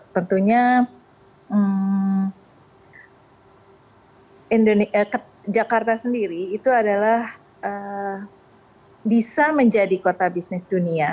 tentunya jakarta sendiri itu adalah bisa menjadi kota bisnis dunia